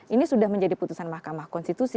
ini sudah menjadi putusan mahkamah konstitusi